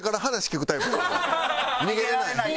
逃げれない。